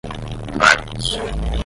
marcos